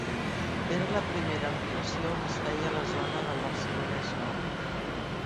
Era la primera ampliació que es feia a la zona del Barcelonès Nord.